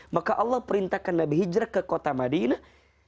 maka allah perintahkan nabi hijrah ke kota madinah